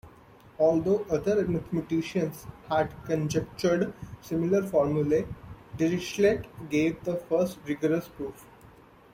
Although other mathematicians had conjectured similar formulae, Dirichlet gave the first rigorous proof.